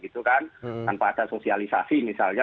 tanpa ada sosialisasi misalnya